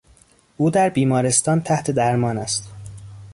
او در بیمارستان تحت درمان است.